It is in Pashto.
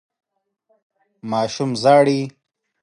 ماشوم ژاړي.